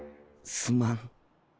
すまん。